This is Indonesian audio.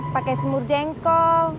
pake semur jengkol